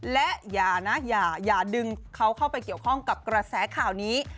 และอย่านะอย่าดึงเขาเข้าไปเกี่ยวข้องกับกระแสข่าวนี้